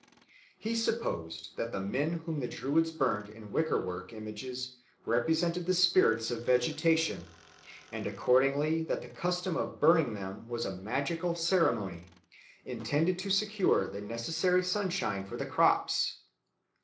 He supposed that the men whom the Druids burned in wicker work images represented the spirits of vegetation, and accordingly that the custom of burning them was a magical ceremony intended to secure the necessary sunshine for the crops.